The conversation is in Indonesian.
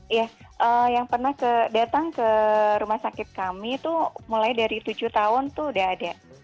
iya yang pernah datang ke rumah sakit kami itu mulai dari tujuh tahun tuh udah ada